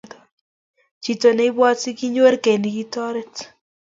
chito ne ibwate kinyoor kei nikotoret